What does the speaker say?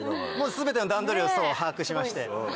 全ての段取りを把握しまして。